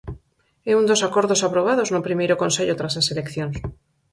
É un dos acordos aprobados no primeiro Consello tras as eleccións.